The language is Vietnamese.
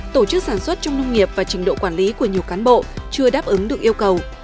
tổ chức sản xuất trong nông nghiệp và trình độ quản lý của nhiều cán bộ chưa đáp ứng được yêu cầu